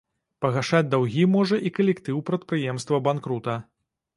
Пагашаць даўгі можа і калектыў прадпрыемства-банкрута.